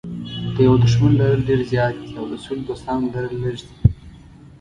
د یوه دښمن لرل ډېر زیات دي او د سلو دوستانو لرل لږ دي.